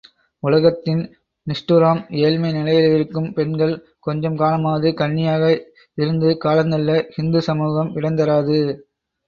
உலகத்தின் நிஷ்டூரம் ஏழ்மை நிலைமையிலிருக்கும் பெண்கள் கொஞ்ச காலமாவது கன்னியாக இருந்து காலந்தள்ள ஹிந்து சமூகம் இடந்தராது.